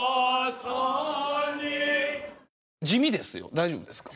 大丈夫ですか？